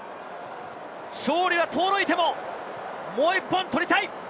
勝利が遠のいても、もう１本取りたい。